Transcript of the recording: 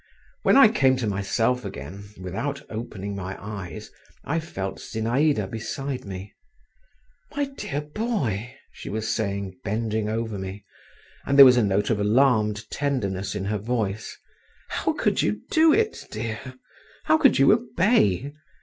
When I came to myself again, without opening my eyes, I felt Zinaïda beside me. "My dear boy," she was saying, bending over me, and there was a note of alarmed tenderness in her voice, "how could you do it, dear; how could you obey?